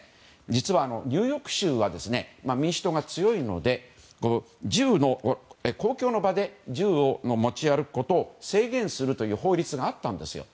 実はニューヨーク州は民主党が強いので公共の場で銃を持ち歩くことを制限するという法律があったんですよ。